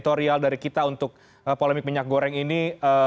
atau apa yang harus kita lakukan untuk polemik minyak goreng ini